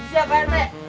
siapa pak rt